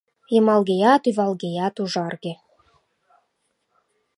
Йымалгеят-ӱвалгеят ужарге.